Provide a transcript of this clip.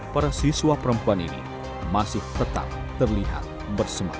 para siswa perempuan ini masih tetap terlihat bersemangat